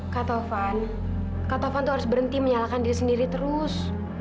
kak taufan kak taufan tuh harus berhenti menyalahkan diri sendiri terus